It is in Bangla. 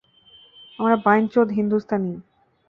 আমরা বাইঞ্চোদ হিন্দুস্তানিই।